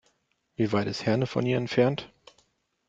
Wie weit ist Herne von hier entfernt?